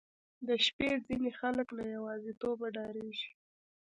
• د شپې ځینې خلک له یوازیتوبه ډاریږي.